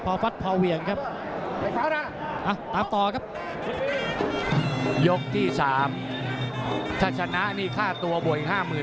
พอฟัดพอเหวี่ยงครับตามต่อครับยกที่๓ถ้าชนะนี่ค่าตัวบวกอีกห้าหมื่น